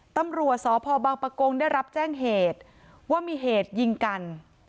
ตำรวจสพบังปะกงได้รับแจ้งเหตุว่ามีเหตุยิงกัน